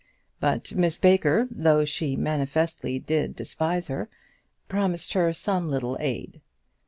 But Miss Baker, though she manifestly did despise her, promised her some little aid.